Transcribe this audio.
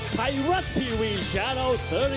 สวัสดีทุกคน